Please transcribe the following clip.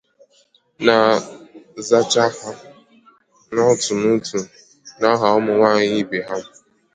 Na nzaghachi ha n'otu n'otu n'aha ụmụnwaanyị ibe ha